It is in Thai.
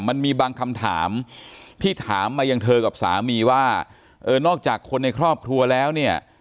มันมีบางคำถามที่ถามมายังเธอกับสามีว่าเออนอกจากคนในครอบครัวแล้วเนี่ย